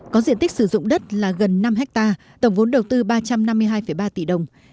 có diện tích sử dụng đất là gần năm hectare tổng vốn đầu tư ba trăm năm mươi hai ba tỷ đồng